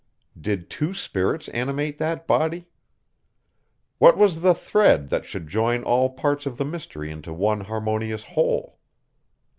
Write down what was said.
Did two spirits animate that body? What was the thread that should join all parts of the mystery into one harmonious whole?